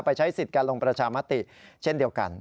ใช้สิทธิ์การลงประชามติเช่นเดียวกัน